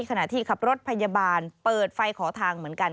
ขณะที่ขับรถพยาบาลเปิดไฟขอทางเหมือนกัน